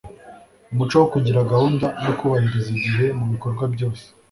umuco wo kugira gahunda no kubahiriza igihe mu bikorwa byose